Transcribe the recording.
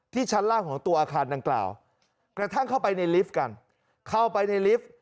ชั้นล่างของตัวอาคารดังกล่าวกระทั่งเข้าไปในลิฟต์กันเข้าไปในลิฟต์